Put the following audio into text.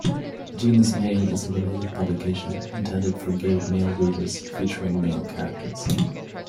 Genus Male is a related publication, intended for gay male readers, featuring male characters.